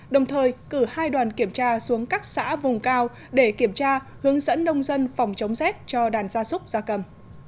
đồng thời cử hai đoàn kiểm tra xuống các xã vùng cao để kiểm tra hướng dẫn nông dân phòng chống rét cho đàn gia súc gia cầm